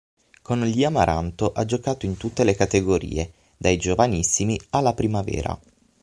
Con gli amaranto ha giocato in tutte le categorie, dai Giovanissimi alla Primavera.